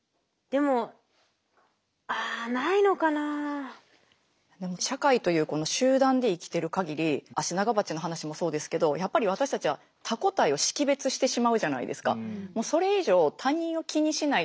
でも社会というこの集団で生きてるかぎりアシナガバチの話もそうですけどやっぱり私たちは他個体を識別してしまうじゃないですか。